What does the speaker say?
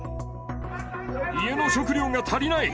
家の食料が足りない！